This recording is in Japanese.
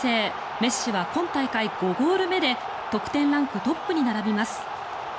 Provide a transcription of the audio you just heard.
メッシは今大会５ゴール目で得点ランクトップに並びます。